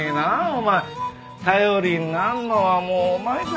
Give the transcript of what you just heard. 頼りになるのはもうお前だけ。